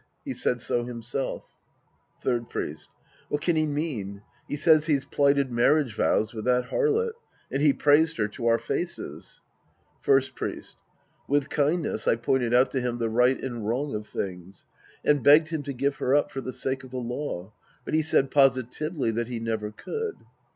He said so himself Third Priest. What can he mean ? He says he's Sc. 11 The Priest and His Disciples 195 plighted marriage vows witli tliat harlot. And he praised her to our faces. First Priest. With kindness I pointed out to him the right and wrong of things and begged him to give her up for the sake of the law. But he said positively that he never could.